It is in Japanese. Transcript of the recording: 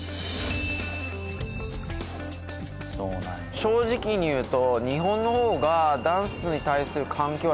正直に言うと。